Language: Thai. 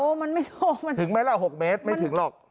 โอ้โหมันไม่ถึงถึงไหมล่ะหกเมตรไม่ถึงหรอก